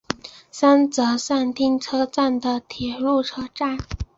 三泽上町车站的铁路车站。